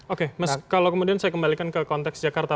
oke kalau kemudian saya kembalikan ke konteks jakarta